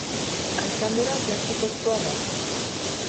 Alkandora plastikozkoa da.